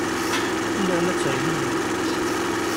Lliɣ la ttergigiɣ.